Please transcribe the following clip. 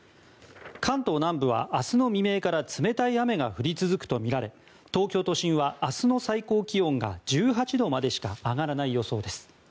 関東南部は明日の未明から冷たい雨が降り続くとみられ東京都心は明日の最高気温が１８度までしか上がらない予想です。